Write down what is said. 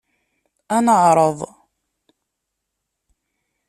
Ad neɛreḍ.